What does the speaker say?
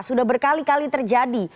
sudah berkali kali terjadi